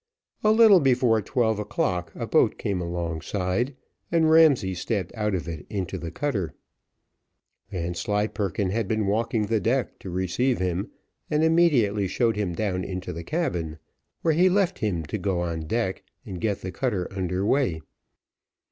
A little before twelve o'clock a boat came alongside, and Ramsay stepped out of it into the cutter. Vanslyperken had been walking the deck to receive him, and immediately showed him down into the cabin, where he left him to go on deck, and get the cutter under way.